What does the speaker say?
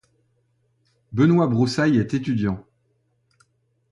Benoit Broussaille est étudiant.